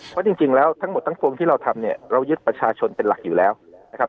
เพราะจริงแล้วทั้งหมดทั้งปวงที่เราทำเนี่ยเรายึดประชาชนเป็นหลักอยู่แล้วนะครับ